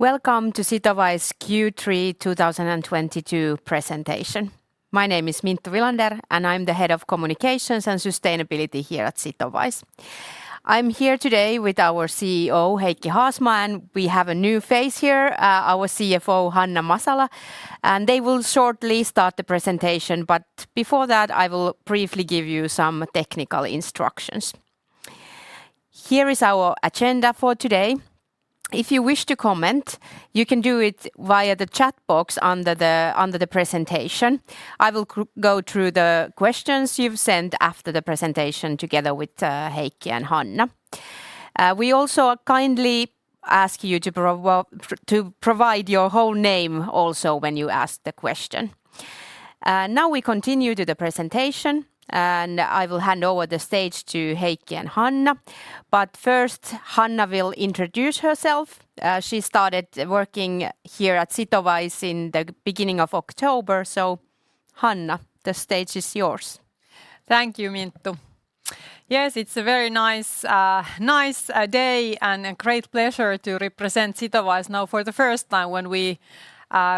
Welcome to Sitowise Q3 2022 presentation. My name is Minttu Vilander, and I'm the Head of Communications and Sustainability here at Sitowise. I'm here today with our CEO, Heikki Haasmaa, and we have a new face here, our CFO, Hanna Masala, and they will shortly start the presentation, but before that, I will briefly give you some technical instructions. Here is our agenda for today. If you wish to comment, you can do it via the chat box under the presentation. I will go through the questions you've sent after the presentation together with Heikki and Hanna. We also kindly ask you to provide your whole name also when you ask the question. Now we continue to the presentation, and I will hand over the stage to Heikki and Hanna. First, Hanna will introduce herself. She started working here at Sitowise in the beginning of October. Hanna, the stage is yours. Thank you, Minttu. Yes, it's a very nice day and a great pleasure to represent Sitowise now for the first time when we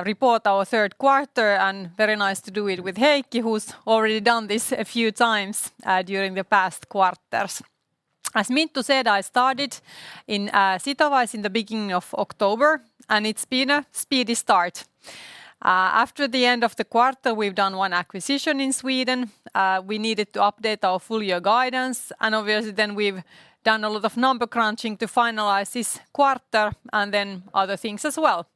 report our third quarter, and very nice to do it with Heikki, who's already done this a few times during the past quarters. As Minttu said, I started in Sitowise in the beginning of October, and it's been a speedy start. After the end of the quarter, we've done one acquisition in Sweden. We needed to update our full year guidance, and obviously, then we've done a lot of number crunching to finalize this quarter, and then other things as well.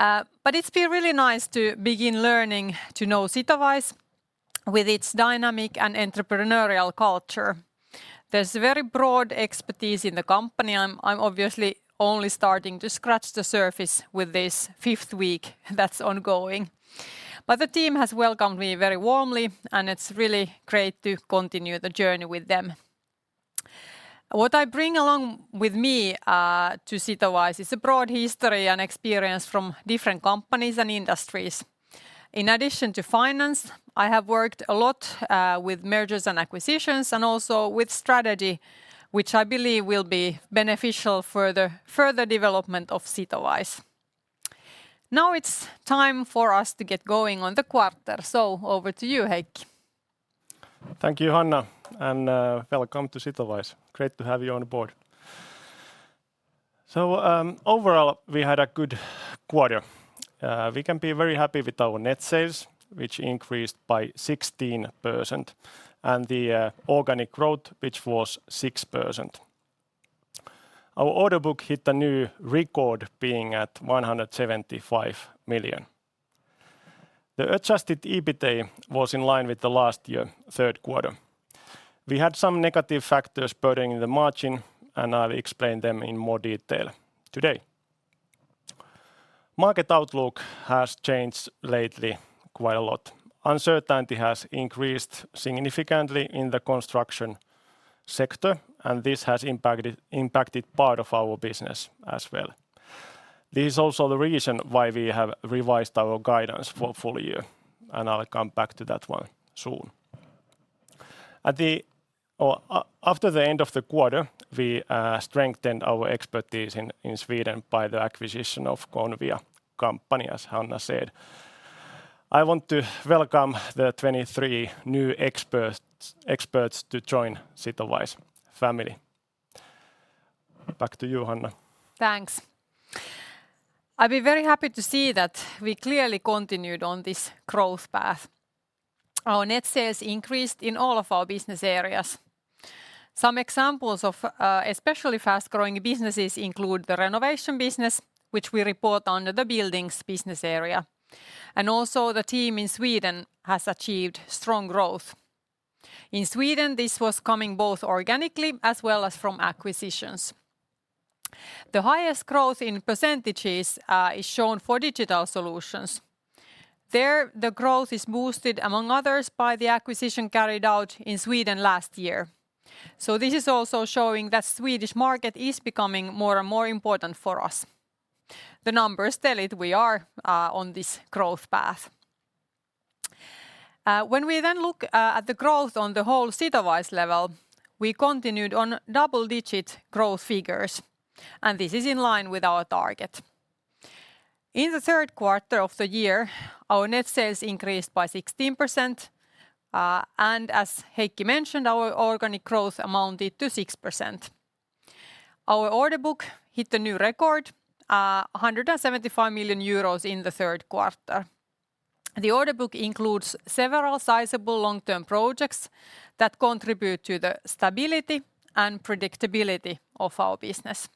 It's been really nice to begin learning to know Sitowise with its dynamic and entrepreneurial culture. There's very broad expertise in the company. I'm obviously only starting to scratch the surface with this fifth week that's ongoing. The team has welcomed me very warmly, and it's really great to continue the journey with them. What I bring along with me to Sitowise is a broad history and experience from different companies and industries. In addition to finance, I have worked a lot with mergers and acquisitions and also with strategy, which I believe will be beneficial for the further development of Sitowise. Now it's time for us to get going on the quarter, so over to you, Heikki. Thank you, Hanna, and welcome to Sitowise. Great to have you on board. Overall, we had a good quarter. We can be very happy with our net sales, which increased by 16%, and the organic growth, which was 6%. Our order book hit a new record, being at 175 million. The adjusted EBITA was in line with the last year third quarter. We had some negative factors burdening the margin, and I'll explain them in more detail today. Market outlook has changed lately quite a lot. Uncertainty has increased significantly in the construction sector, and this has impacted part of our business as well. This is also the reason why we have revised our guidance for full year, and I'll come back to that one soon. At the. After the end of the quarter, we strengthened our expertise in Sweden by the acquisition of Convia company, as Hanna said. I want to welcome the 23 new experts to join Sitowise family. Back to you, Hanna. Thanks. I've been very happy to see that we clearly continued on this growth path. Our net sales increased in all of our business areas. Some examples of especially fast-growing businesses include the renovation business, which we report under the Buildings business area. Also the team in Sweden has achieved strong growth. In Sweden, this was coming both organically as well as from acquisitions. The highest growth in percentages is shown for Digital Solutions. There, the growth is boosted among others by the acquisition carried out in Sweden last year. This is also showing that Swedish market is becoming more and more important for us. The numbers tell it. We are on this growth path. When we then look at the growth on the whole Sitowise level, we continued on double-digit growth figures, and this is in line with our target. In the third quarter of the year, our net sales increased by 16%, and as Heikki mentioned, our organic growth amounted to 6%. Our order book hit a new record, 175 million euros in the third quarter. The order book includes several sizable long-term projects that contribute to the stability and predictability of our business.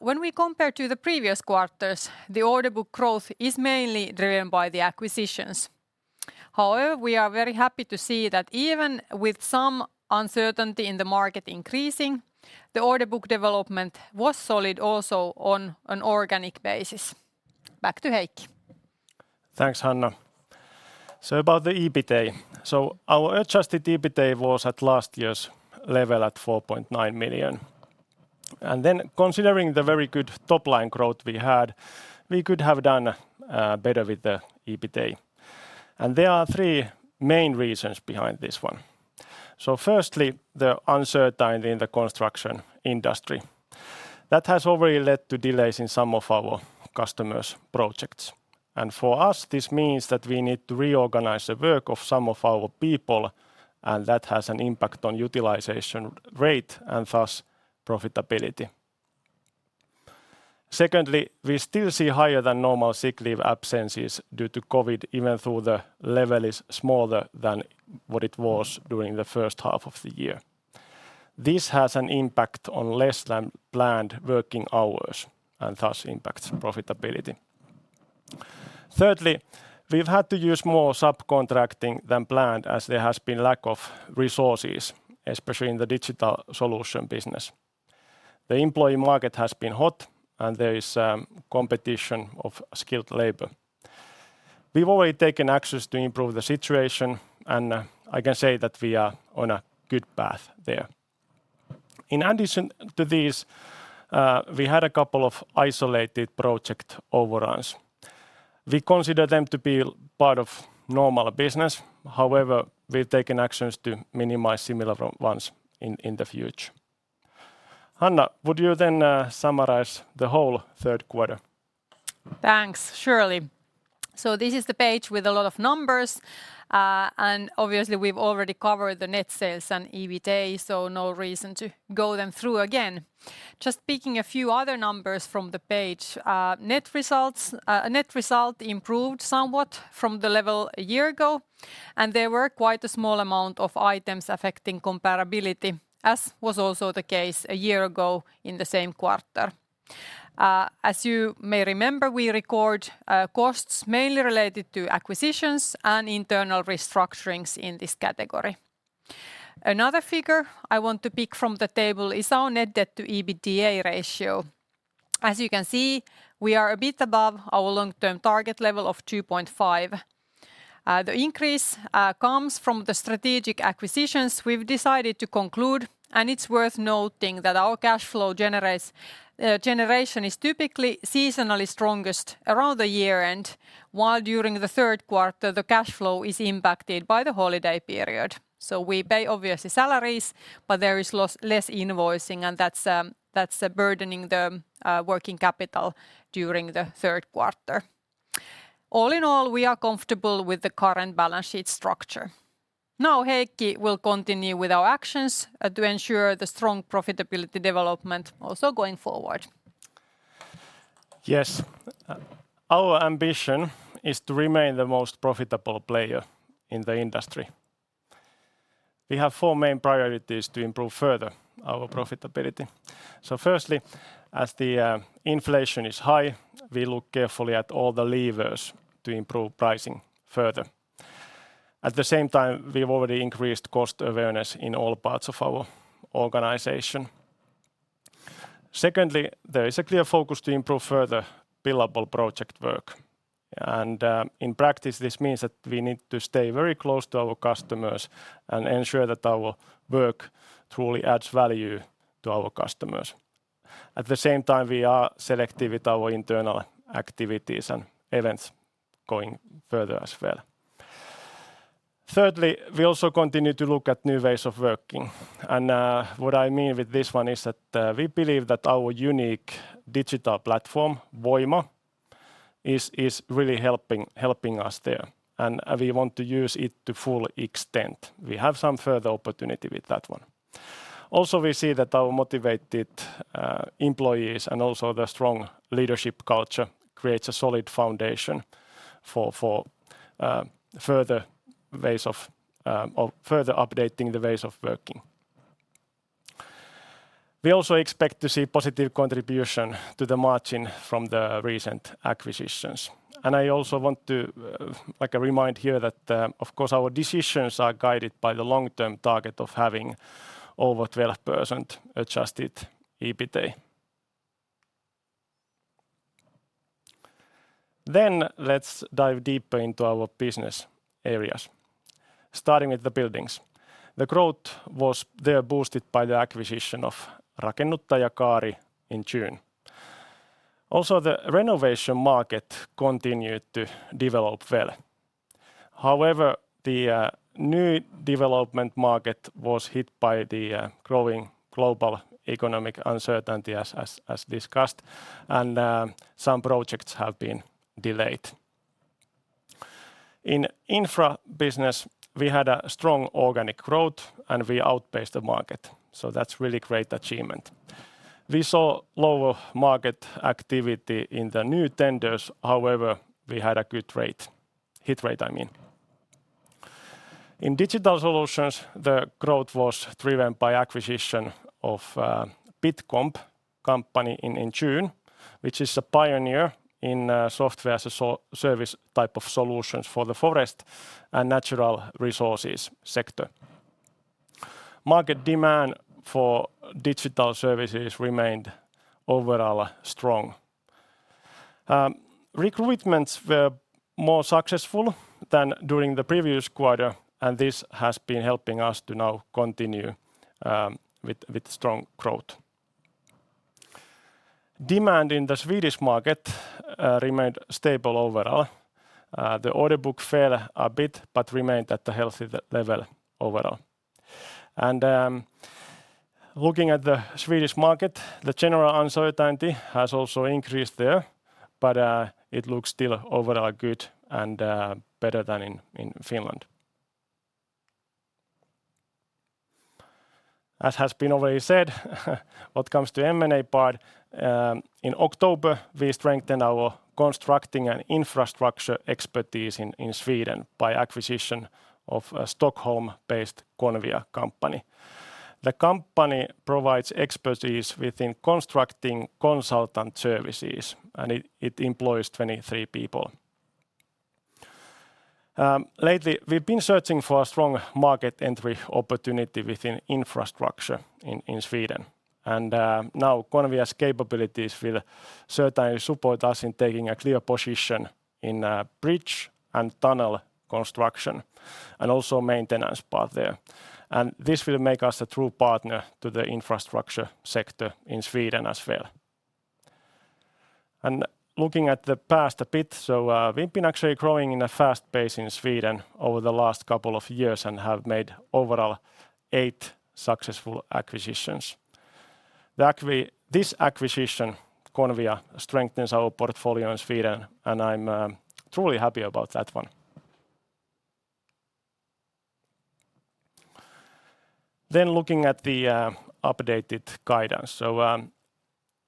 When we compare to the previous quarters, the order book growth is mainly driven by the acquisitions. However, we are very happy to see that even with some uncertainty in the market increasing, the order book development was solid also on an organic basis. Back to Heikki. Thanks, Hanna. About the EBITA. Our adjusted EBITA was at last year's level at 4.9 million. Considering the very good top line growth we had, we could have done better with the EBITA. There are three main reasons behind this one. Firstly, the uncertainty in the construction industry. That has already led to delays in some of our customers' projects, and for us, this means that we need to reorganize the work of some of our people, and that has an impact on utilization rate and thus profitability. Secondly, we still see higher than normal sick leave absences due to COVID, even though the level is smaller than what it was during the first half of the year. This has an impact on less than planned working hours and thus impacts profitability. Thirdly, we've had to use more subcontracting than planned as there has been lack of resources, especially in the Digital Solutions business. The employee market has been hot, and there is competition of skilled labor. We've already taken actions to improve the situation, and I can say that we are on a good path there. In addition to these, we had a couple of isolated project overruns. We consider them to be part of normal business. However, we've taken actions to minimize similar ones in the future. Hanna, would you then summarize the whole third quarter? Thanks. Surely. This is the page with a lot of numbers, and obviously, we've already covered the net sales and EBITA, so no reason to go through them again. Just picking a few other numbers from the page. Net result improved somewhat from the level a year ago, and there were quite a small amount of items affecting comparability, as was also the case a year ago in the same quarter. As you may remember, we record costs mainly related to acquisitions and internal restructurings in this category. Another figure I want to pick from the table is our net debt to EBITDA ratio. As you can see, we are a bit above our long-term target level of 2.5. The increase comes from the strategic acquisitions we've decided to conclude, and it's worth noting that our cash flow generation is typically seasonally strongest around the year-end, while during the third quarter, the cash flow is impacted by the holiday period. We pay, obviously, salaries, but there is less invoicing, and that's burdening the working capital during the third quarter. All in all, we are comfortable with the current balance sheet structure. Now Heikki will continue with our actions to ensure the strong profitability development also going forward. Yes. Our ambition is to remain the most profitable player in the industry. We have four main priorities to improve further our profitability. Firstly, as the inflation is high, we look carefully at all the levers to improve pricing further. At the same time, we've already increased cost awareness in all parts of our organization. Secondly, there is a clear focus to improve further billable project work, and in practice, this means that we need to stay very close to our customers and ensure that our work truly adds value to our customers. At the same time, we are selective with our internal activities and events going further as well. Thirdly, we also continue to look at new ways of working, and what I mean with this one is that we believe that our unique digital platform, Voima, is really helping us there, and we want to use it to full extent. We have some further opportunity with that one. Also, we see that our motivated employees and also the strong leadership culture creates a solid foundation for further ways of or further updating the ways of working. We also expect to see positive contribution to the margin from the recent acquisitions. I also want to, like, remind here that, of course our decisions are guided by the long-term target of having over 12% adjusted EBITA. Let's dive deeper into our business areas, starting with the Buildings. The growth was there boosted by the acquisition of Rakennuttajakaari in June. Also, the renovation market continued to develop well. However, the new development market was hit by the growing global economic uncertainty as discussed, and some projects have been delayed. In Infra business, we had a strong organic growth, and we outpaced the market, so that's really great achievement. We saw lower market activity in the new tenders. However, we had a good rate. Hit rate, I mean. In digital solutions, the growth was driven by acquisition of Bitcomp company in June, which is a pioneer in software as a service type of solutions for the forest and natural resources sector. Market demand for digital services remained overall strong. Recruitments were more successful than during the previous quarter, and this has been helping us to now continue with strong growth. Demand in the Swedish market remained stable overall. The order book fell a bit but remained at the healthy level overall. Looking at the Swedish market, the general uncertainty has also increased there, but it looks still overall good and better than in Finland. As has been already said, what comes to M&A part, in October, we strengthened our constructing and infrastructure expertise in Sweden by acquisition of a Stockholm-based Convia company. The company provides expertise within constructing consultant services, and it employs 23 people. Lately, we've been searching for a strong market entry opportunity within infrastructure in Sweden. Now Convia's capabilities will certainly support us in taking a clear position in bridge and tunnel construction and also maintenance part there. This will make us a true partner to the infrastructure sector in Sweden as well. Looking at the past a bit, we've been actually growing in a fast pace in Sweden over the last couple of years and have made overall eight successful acquisitions. This acquisition, Convia, strengthens our portfolio in Sweden, and I'm truly happy about that one. Looking at the updated guidance.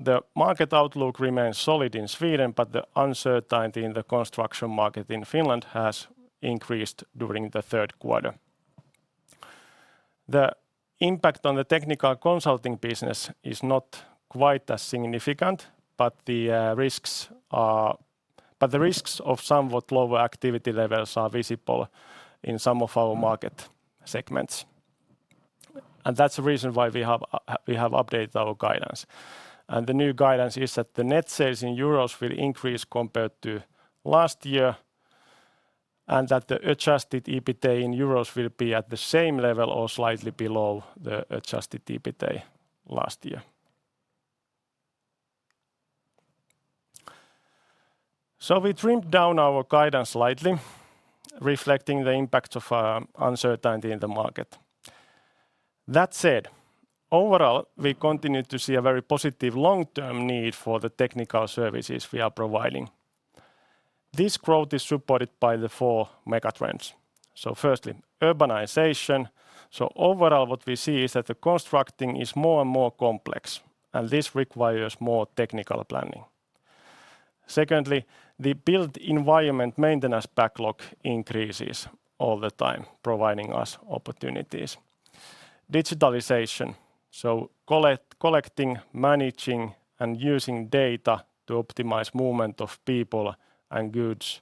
The market outlook remains solid in Sweden, but the uncertainty in the construction market in Finland has increased during the third quarter. The impact on the technical consulting business is not quite as significant, but the risks are. The risks of somewhat lower activity levels are visible in some of our market segments. That's the reason why we have updated our guidance. The new guidance is that the net sales in euros will increase compared to last year, and that the adjusted EBITDA in euros will be at the same level or slightly below the adjusted EBITDA last year. We trimmed down our guidance slightly, reflecting the impact of uncertainty in the market. That said, overall, we continue to see a very positive long-term need for the technical services we are providing. This growth is supported by the four mega trends. Firstly, urbanization. Overall, what we see is that the construction is more and more complex, and this requires more technical planning. Secondly, the built environment maintenance backlog increases all the time, providing us opportunities. Digitalization, collecting, managing, and using data to optimize movement of people and goods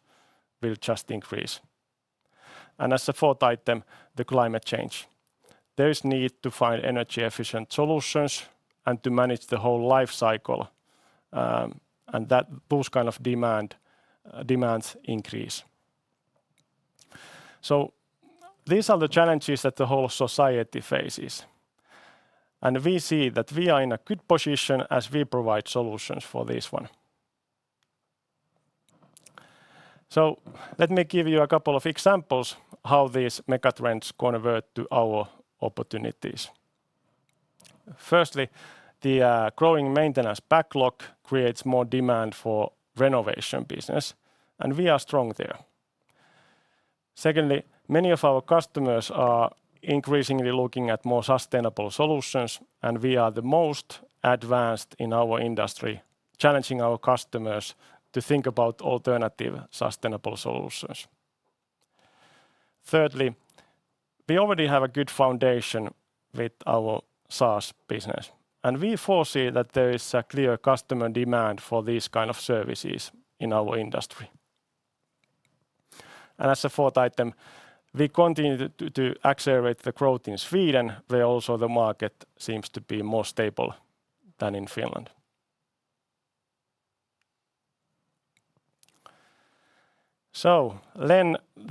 will just increase. As a fourth item, the climate change. There is need to find energy-efficient solutions and to manage the whole life cycle, and that those kinds of demands increase. These are the challenges that the whole society faces, and we see that we are in a good position as we provide solutions for this one. Let me give you a couple of examples how these mega trends convert to our opportunities. Firstly, the growing maintenance backlog creates more demand for renovation business, and we are strong there. Secondly, many of our customers are increasingly looking at more sustainable solutions, and we are the most advanced in our industry, challenging our customers to think about alternative sustainable solutions. Thirdly, we already have a good foundation with our SaaS business, and we foresee that there is a clear customer demand for these kind of services in our industry. As a fourth item, we continue to accelerate the growth in Sweden, where also the market seems to be more stable than in Finland.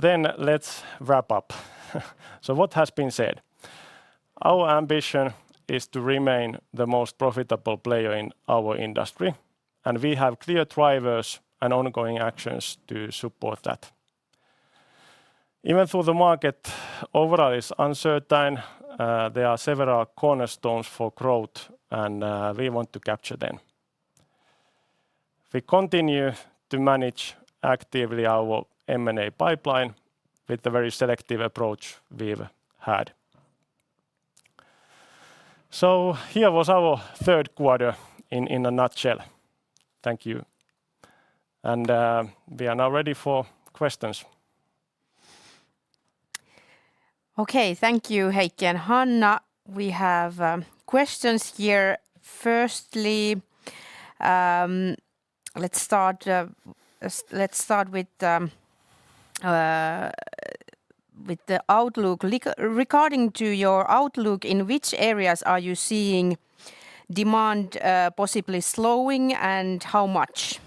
Then let's wrap up. What has been said? Our ambition is to remain the most profitable player in our industry, and we have clear drivers and ongoing actions to support that. Even though the market overall is uncertain, there are several cornerstones for growth, and we want to capture them. We continue to manage actively our M&A pipeline with the very selective approach we've had. Here was our third quarter in a nutshell. Thank you. We are now ready for questions. Okay. Thank you, Heikki and Hanna. We have questions here. Firstly, let's start with the outlook. Regarding to your outlook, in which areas are you seeing demand possibly slowing, and how much?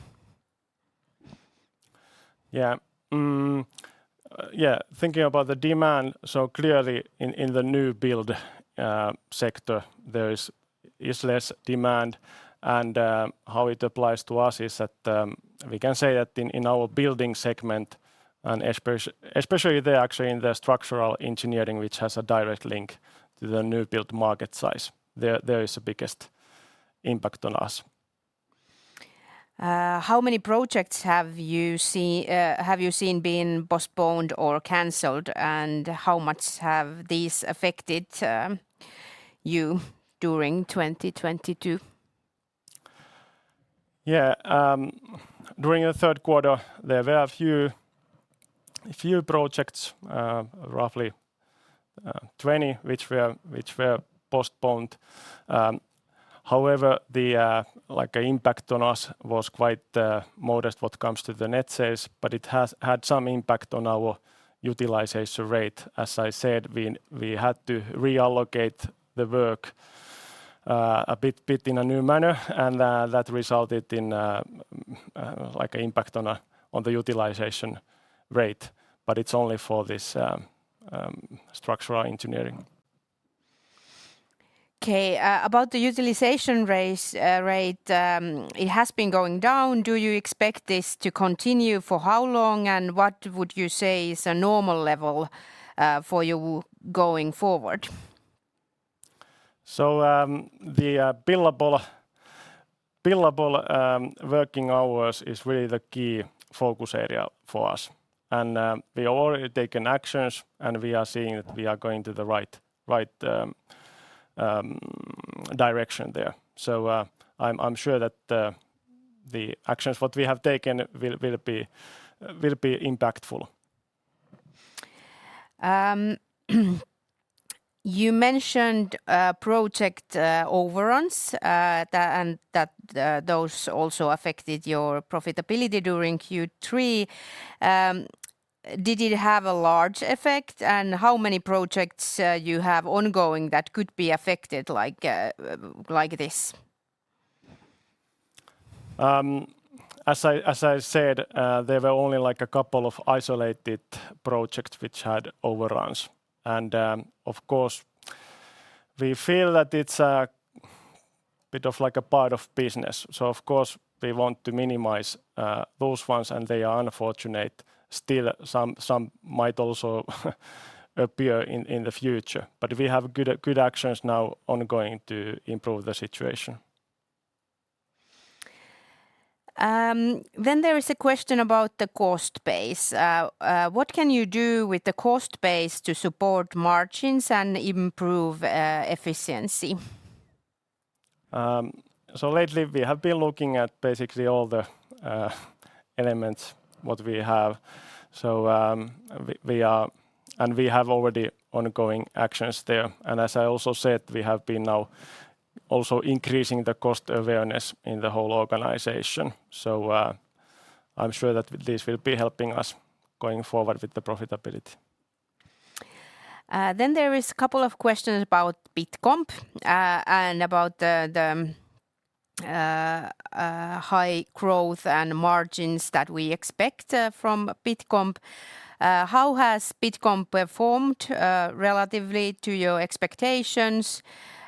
Thinking about the demand, so clearly in the new build sector, there is less demand. How it applies to us is that we can say that in our building segment, and especially there actually in the structural engineering which has a direct link to the new build market size, there is the biggest impact on us. How many projects have you seen been postponed or canceled, and how much have these affected you during 2022? Yeah. During the third quarter there were a few projects, roughly 20 which were postponed. However, the like, impact on us was quite modest when it comes to the net sales, but it has had some impact on our utilization rate. As I said, we had to reallocate the work a bit in a new manner, and that resulted in like impact on the utilization rate. It's only for this structural engineering. Okay. About the utilization rate, it has been going down. Do you expect this to continue? For how long, and what would you say is a normal level for you going forward? The billable working hours is really the key focus area for us, and we already had taken actions, and we are seeing that we are going to the right direction there. I'm sure that the actions what we have taken will be impactful. You mentioned project overruns, and those also affected your profitability during Q3. Did it have a large effect, and how many projects you have ongoing that could be affected like this? As I said, there were only, like, a couple of isolated projects which had overruns, and of course we feel that it's a bit of, like, a part of business. Of course we want to minimize those ones, and they are unfortunate. Still, some might also appear in the future, but we have good actions now ongoing to improve the situation. There is a question about the cost base. What can you do with the cost base to support margins and improve efficiency? Lately we have been looking at basically all the elements what we have. We have already ongoing actions there. As I also said, we have been now also increasing the cost awareness in the whole organization. I'm sure that this will be helping us going forward with the profitability. There is a couple of questions about Bitcomp and about the high growth and margins that we expect from Bitcomp. How has Bitcomp performed relatively to your expectations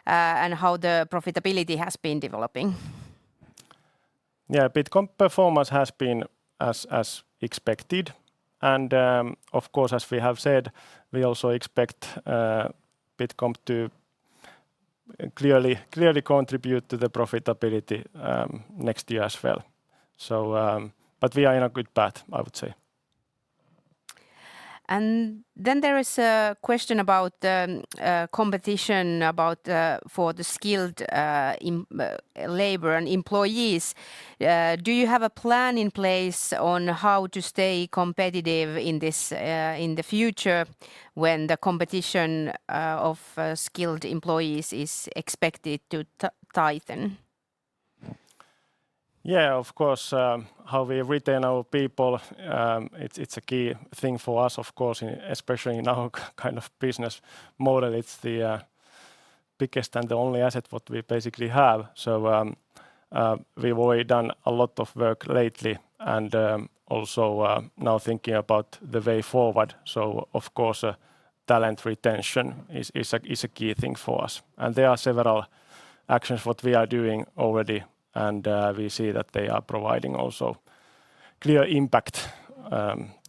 and how the profitability has been developing? Bitcomp performance has been as expected, and of course, as we have said, we also expect Bitcomp to clearly contribute to the profitability next year as well. We are in a good path, I would say. There is a question about the competition for the skilled labor and employees. Do you have a plan in place on how to stay competitive in the future when the competition for skilled employees is expected to tighten? Yeah. Of course, how we retain our people, it's a key thing for us, of course, and especially in our kind of business model. It's the biggest and the only asset what we basically have. We've already done a lot of work lately, and also, now thinking about the way forward. Of course, talent retention is a key thing for us. There are several actions what we are doing already, and we see that they are providing also clear impact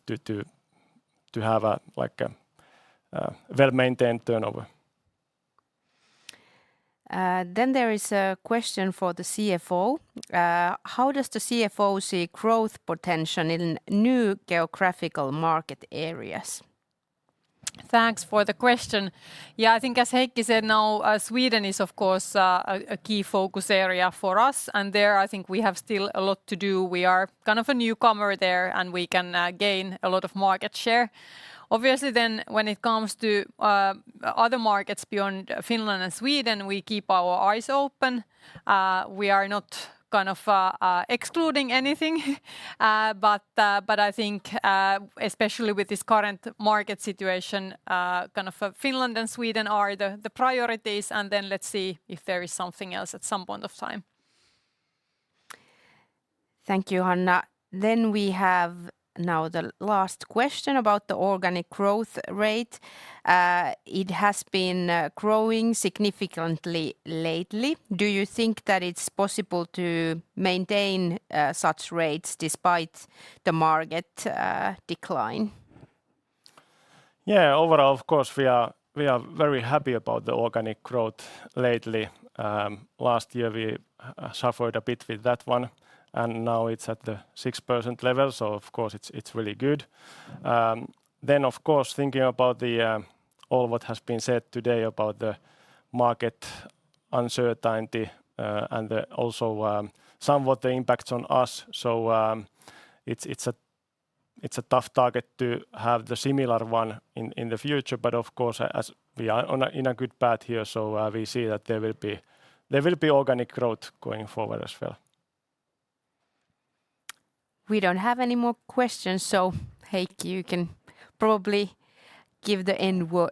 to have a, like a, well-maintained turnover. There is a question for the CFO. How does the CFO see growth potential in new geographical market areas? Thanks for the question. Yeah, I think as Heikki said now, Sweden is of course a key focus area for us, and there I think we have still a lot to do. We are kind of a newcomer there, and we can gain a lot of market share. Obviously then when it comes to other markets beyond Finland and Sweden, we keep our eyes open. We are not kind of excluding anything. But I think especially with this current market situation, kind of Finland and Sweden are the priorities, and then let's see if there is something else at some point of time. Thank you, Hanna. We have now the last question about the organic growth rate. It has been growing significantly lately. Do you think that it's possible to maintain such rates despite the market decline? Yeah. Overall, of course, we are very happy about the organic growth lately. Last year we suffered a bit with that one, and now it's at the 6% level, so of course it's really good. Of course thinking about all what has been said today about the market uncertainty, and also somewhat the impacts on us, so it's a tough target to have the similar one in the future. Of course as we are in a good path here, so we see that there will be organic growth going forward as well. We don't have any more questions, so Heikki, you can probably give the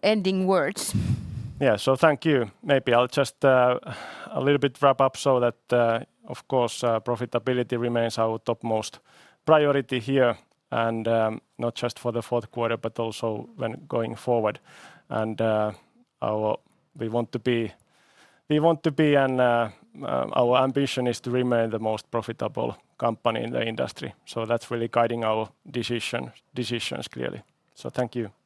ending words. Thank you. Maybe I'll just a little bit wrap up. Of course, profitability remains our topmost priority here, and not just for the fourth quarter, but also when going forward. We want to be and our ambition is to remain the most profitable company in the industry, so that's really guiding our decisions clearly. Thank you.